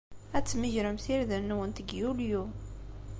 Ad tmegremt irden-nwent deg Yulyu.